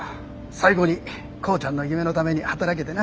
最後に浩ちゃんの夢のために働けてな。